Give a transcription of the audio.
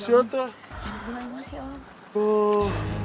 jangan berlalu emosi om